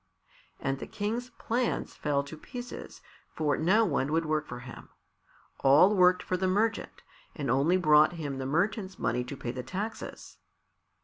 And the King's plans fell to pieces, for no one would work for him. All worked for the merchant, and only brought him the merchant's money to pay the taxes.